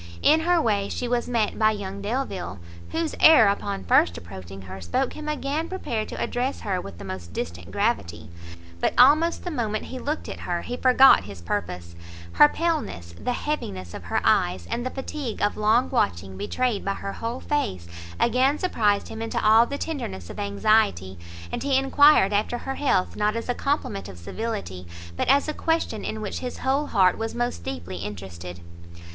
In her way she was met by young Delvile, whose air upon first approaching her spoke him again prepared to address her with the most distant gravity; but almost the moment he looked at her, he forgot his purpose; her paleness, the heaviness of her eyes, and the fatigue of long watching betrayed by her whole face, again, surprised him into all the tenderness of anxiety, and he enquired after her health not as a compliment of civility, but as a question in which his whole heart was most deeply interested.